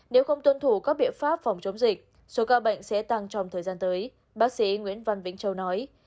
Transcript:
nếu không tuân thủ các biện pháp phòng chống dịch số ca bệnh sẽ tăng trong thời gian tới bác sĩ nguyễn văn vĩnh châu nói